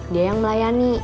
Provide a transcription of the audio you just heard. dia yang melayani